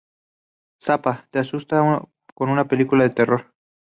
Zappa: Te asusta con una película de terror.